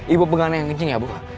ibu penggana yang ngingin ya bu